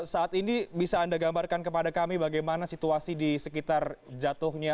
saat ini bisa anda gambarkan kepada kami bagaimana situasi di sekitar jatuhnya